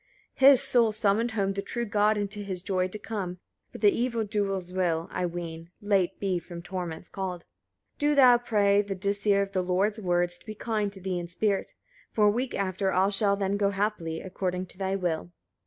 24. His soul summoned home the true God into his joy to come; but the evil doers will, I wean, late be from torments called. 25. Do thou pray the Disir of the Lord's words to be kind to thee in spirit: for a week after, all shall then go happily, according to thy will.